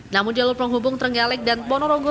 namun jalur penghubung trenggalek dan ponorogo